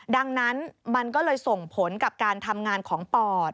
ดังนั้นมันก็เลยส่งผลกับการทำงานของปอด